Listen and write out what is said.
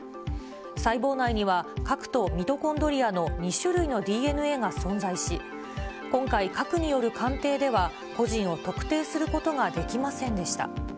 細胞内には、核とミトコンドリアの２種類のＤＮＡが存在し、今回、核による鑑定では、個人を特定することができませんでした。